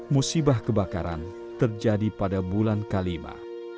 musibah kebakaran terjadi pada bulan kalima